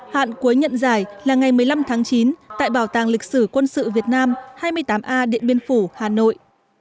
hạn cuối nhận giải là ngày một mươi năm tháng chín tại bảo tàng lịch sử quân sự việt nam hai mươi tám a điện biên phủ hà nội